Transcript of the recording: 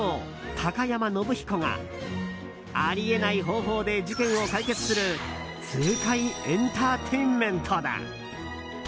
貴山伸彦があり得ない方法で事件を解決する痛快エンターテインメントだ。